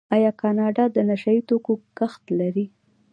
آیا کاناډا د نشه یي توکو کښت لري؟